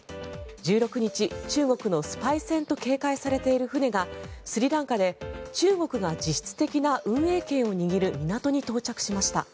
１６日、中国のスパイ船と警戒されている船がスリランカで中国が実質的な運営権を握る港に到着しました。